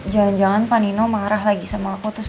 jangan jangan panino marah lagi sama aku tuh ya